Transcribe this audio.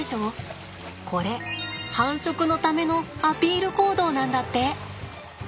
これ繁殖のためのアピール行動なんだって。